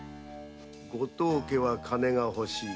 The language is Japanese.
ご当家は金が欲しい。